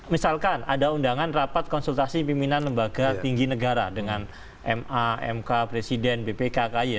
misalkan ada undangan rapat konsultasi pimpinan lembaga tinggi negara dengan ma mk presiden bpkky